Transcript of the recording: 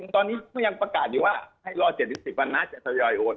ตอนนี้ยังประกาศอยู่ว่ารอ๗๑๐วันจะเทรดโยยโอน